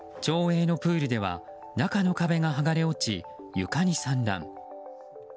町営のプールでは中の壁が剥がれ落ち床に散乱。